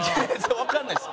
わからないです。